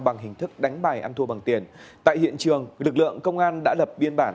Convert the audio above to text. bằng hình thức đánh bài ăn thua bằng tiền tại hiện trường lực lượng công an đã lập biên bản